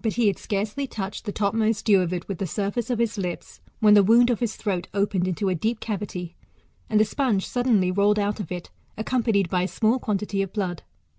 But he had scarcely touched the topmost dew of it with the surface of his lips, when the wound of his throat opened into a deep cavity, and the sponge suddenly rolled out of it, accompanied by a small quantity of blood.